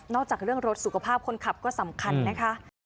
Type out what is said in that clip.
จากเรื่องรถสุขภาพคนขับก็สำคัญนะคะ